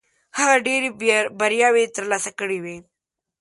هغه ډېرې بریاوې ترلاسه کړې وې.